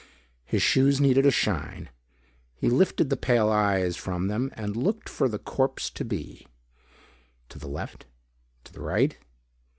His shoes needed a shine. He lifted the pale eyes from them and looked for the corpse to be. To the left. To the right.